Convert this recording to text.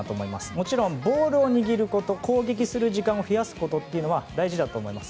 もちろんボールを握ること攻撃の時間を増やすことは大事だと思います。